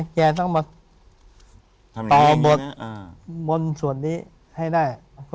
แกต้องมาต่อบทมนต์ส่วนนี้ให้ได้